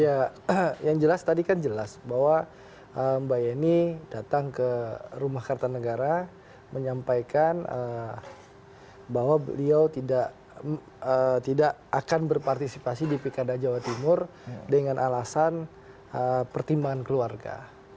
ya yang jelas tadi kan jelas bahwa mbak yeni datang ke rumah kartanegara menyampaikan bahwa beliau tidak akan berpartisipasi di pilkada jawa timur dengan alasan pertimbangan keluarga